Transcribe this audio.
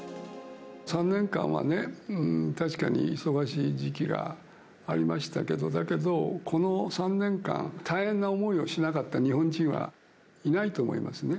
３年間はね、確かに忙しい時期がありましたけど、だけど、この３年間、大変な思いをしなかった日本人はいないと思いますね。